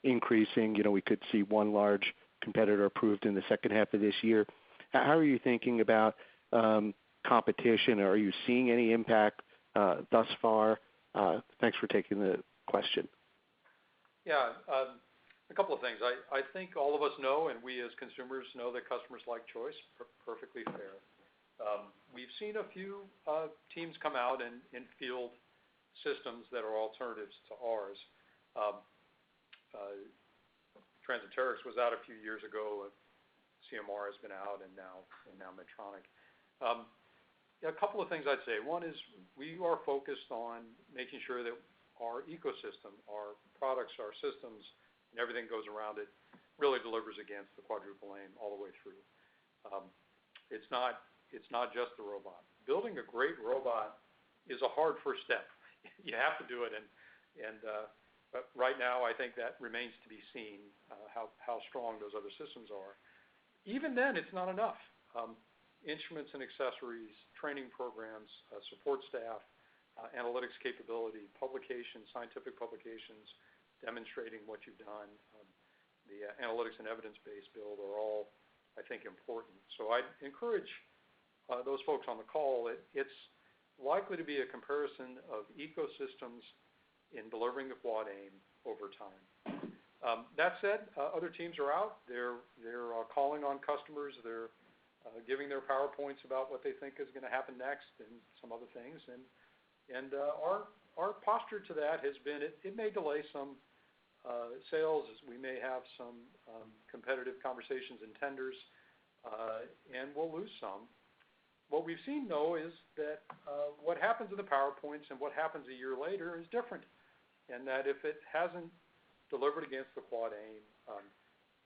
increasing. We could see one large competitor approved in the second half of this year. How are you thinking about competition? Are you seeing any impact thus far? Thanks for taking the question. Yeah. A couple of things. I think all of us know, and we as consumers know that customers like choice. Perfectly fair. We've seen a few teams come out and field systems that are alternatives to ours. TransEnterix was out a few years ago. CMR has been out, and now Medtronic. A couple of things I'd say. One is we are focused on making sure that our ecosystem, our products, our systems, and everything goes around it really delivers against the Quadruple Aim all the way through. It's not just the robot. Building a great robot is a hard first step. You have to do it, but right now I think that remains to be seen how strong those other systems are. Even then, it's not enough. Instruments and accessories, training programs, support staff, analytics capability, scientific publications demonstrating what you've done, the analytics and evidence base build are all, I think, important. I'd encourage those folks on the call, it's likely to be a comparison of ecosystems in delivering the Quadruple Aim over time. That said, other teams are out. They're calling on customers. They're giving their PowerPoints about what they think is going to happen next and some other things. Our posture to that has been it may delay some sales as we may have some competitive conversations and tenders, and we'll lose some. What we've seen, though, is that what happens in the PowerPoints and what happens a year later is different in that if it hasn't delivered against the Quadruple Aim,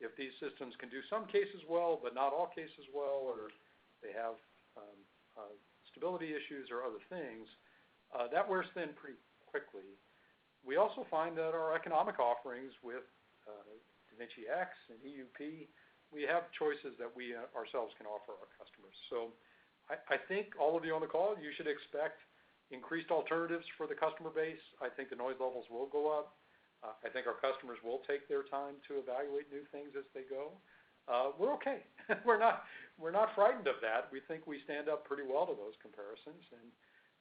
if these systems can do some cases well but not all cases well or they have stability issues or other things, that wears thin pretty quickly. We also find that our economic offerings with da Vinci X and EUP, we have choices that we ourselves can offer our customers. I think all of you on the call, you should expect increased alternatives for the customer base. I think the noise levels will go up. I think our customers will take their time to evaluate new things as they go. We're okay. We're not frightened of that. We think we stand up pretty well to those comparisons,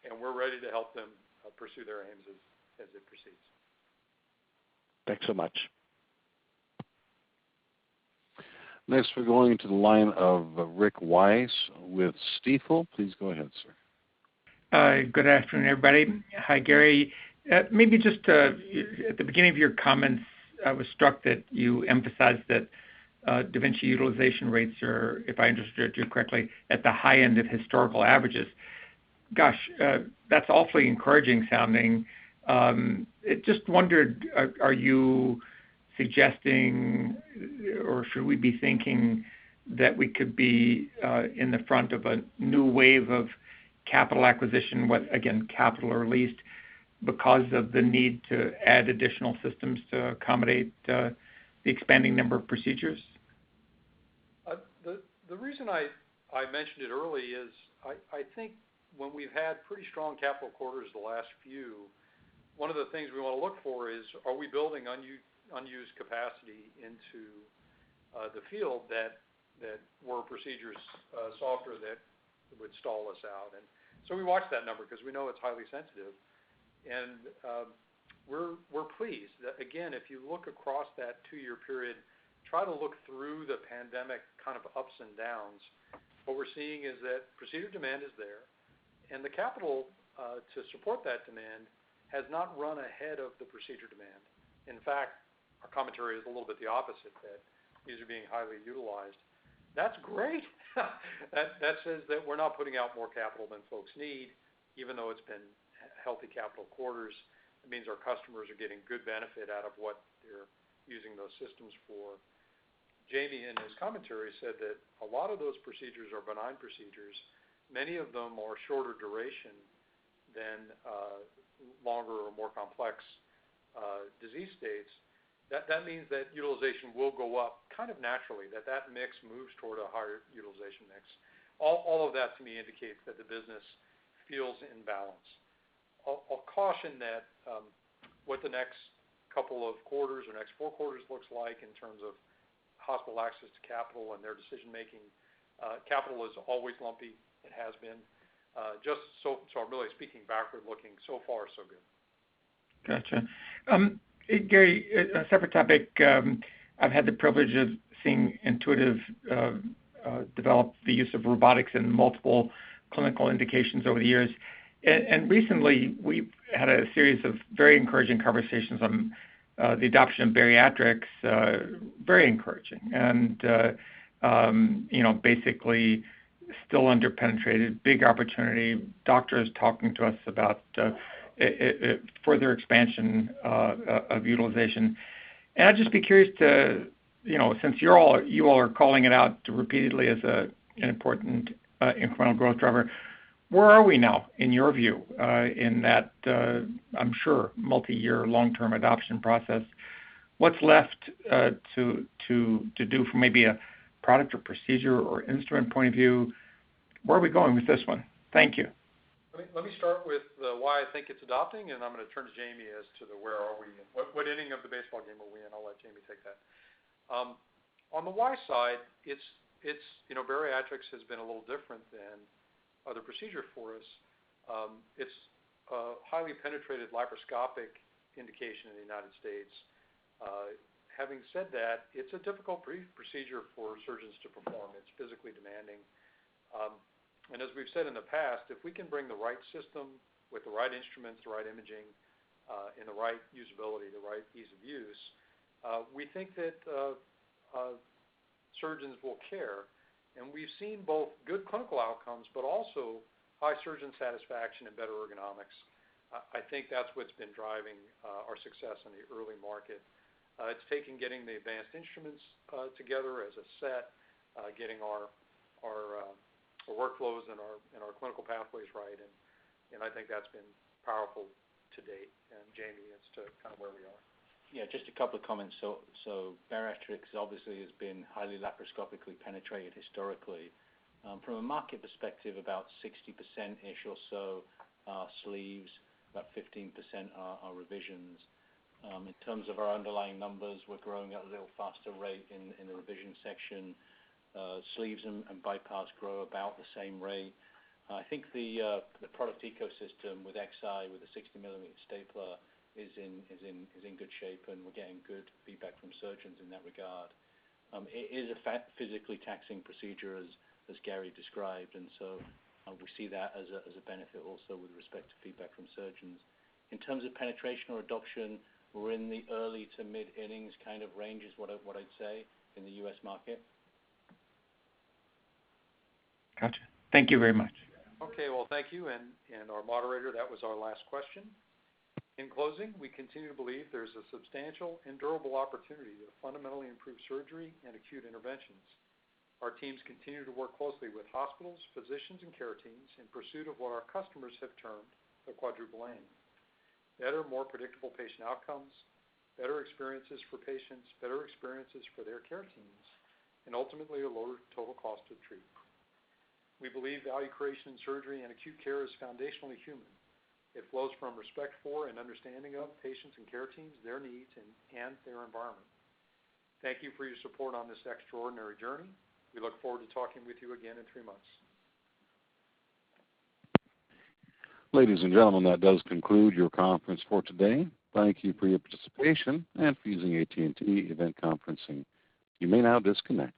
and we're ready to help them pursue their aims as it proceeds. Thanks so much. Next we're going to the line of Rick Wise with Stifel. Please go ahead, sir. Hi, good afternoon, everybody. Hi, Gary. Maybe just at the beginning of your comments, I was struck that da Vinci utilization rates are, if I understood you correctly, at the high end of historical averages. Gosh, that's awfully encouraging sounding. I just wondered, are you suggesting or should we be thinking that we could be in the front of a new wave of capital acquisition, again, capital or leased, because of the need to add additional systems to accommodate the expanding number of procedures? The reason I mentioned it early is I think when we've had pretty strong capital quarters the last few, one of the things we want to look for is, are we building unused capacity into the field that were procedures softer that would stall us out. So we watch that number because we know it's highly sensitive. We're pleased that, again, if you look across that two-year period, try to look through the pandemic kind of ups and downs, what we're seeing is that procedure demand is there, and the capital to support that demand has not run ahead of the procedure demand. In fact, our commentary is a little bit the opposite, that these are being highly utilized. That's great. That says that we're not putting out more capital than folks need, even though it's been healthy capital quarters. It means our customers are getting good benefit out of what they're using those systems for. Jamie, in his commentary, said that a lot of those procedures are benign procedures. Many of them are shorter duration than longer or more complex disease states. That means that utilization will go up kind of naturally, that that mix moves toward a higher utilization mix. All of that, to me, indicates that the business feels in balance. I'll caution that what the next couple of quarters or next four quarters looks like in terms of hospital access to capital and their decision-making, capital is always lumpy. It has been. I'm really speaking backward looking. Far, so good. Got you. Gary, a separate topic. I've had the privilege of seeing Intuitive develop the use of robotics in multiple clinical indications over the years. Recently, we've had a series of very encouraging conversations on the adoption of bariatrics. Very encouraging and basically still under-penetrated, big opportunity, doctors talking to us about further expansion of utilization. I'd just be curious to, since you all are calling it out repeatedly as an important incremental growth driver, where are we now, in your view, in that, I'm sure, multi-year long-term adoption process? What's left to do from maybe a product or procedure or instrument point of view? Where are we going with this one? Thank you. Let me start with why I think it's adopting, and I'm going to turn to Jamie as to the where are we. What ending of the baseball game are we in? I'll let Jamie take that. On the why side, bariatrics has been a little different than other procedure for us. It's a highly penetrated laparoscopic indication in the United States. Having said that, it's a difficult procedure for surgeons to perform. It's physically demanding. As we've said in the past, if we can bring the right system with the right instruments, the right imaging, and the right usability, the right ease of use, we think that surgeons will care. We've seen both good clinical outcomes, but also high surgeon satisfaction and better ergonomics. I think that's what's been driving our success in the early market. It's taken getting the advanced instruments together as a set, getting our workflows and our clinical pathways right, and I think that's been powerful to date. Jamie, as to kind of where we are. Yeah, just a couple of comments. Bariatrics obviously has been highly laparoscopically penetrated historically. From a market perspective, about 60%-ish or so are sleeves, about 15% are revisions. In terms of our underlying numbers, we're growing at a little faster rate in the revision section. Sleeves and bypass grow about the same rate. I think the product ecosystem with Xi, with the 60-millimeter stapler is in good shape, and we're getting good feedback from surgeons in that regard. It is a physically taxing procedure, as Gary described, and so we see that as a benefit also with respect to feedback from surgeons. In terms of penetration or adoption, we're in the early to mid-innings kind of range is what I'd say in the U.S. market. Got you. Thank you very much. Okay. Well, thank you. Our moderator, that was our last question. In closing, we continue to believe there's a substantial and durable opportunity to fundamentally improve surgery and acute interventions. Our teams continue to work closely with hospitals, physicians, and care teams in pursuit of what our customers have termed the Quadruple Aim: better, more predictable patient outcomes, better experiences for patients, better experiences for their care teams, and ultimately, a lower total cost of treatment. We believe value creation in surgery and acute care is foundationally human. It flows from respect for and understanding of patients and care teams, their needs, and their environment. Thank you for your support on this extraordinary journey. We look forward to talking with you again in three months. Ladies and gentlemen, that does conclude your conference for today. Thank you for your participation and for using AT&T event conferencing. You may now disconnect.